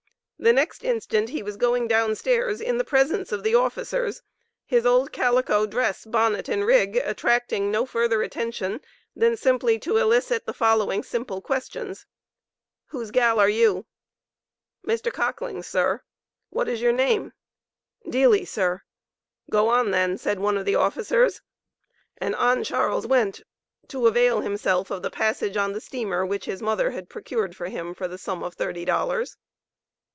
The next instant he was going down stairs in the presence of the officers, his old calico dress, bonnet and rig, attracting no further attention than simply to elicit the following simple questions: "Whose gal are you?" "Mr. Cockling's, sir." "What is your name?" "Delie, sir." "Go on then!" said one of the officers, and on Charles went to avail himself of the passage on the steamer which his mother had procured for him for the sum of thirty dollars.